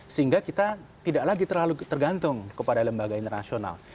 sehingga kita tidak lagi terlalu tergantung kepada lembaga internasional